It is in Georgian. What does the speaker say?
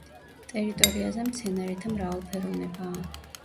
ტერიტორიაზე მცენარეთა მრავალფეროვნებაა.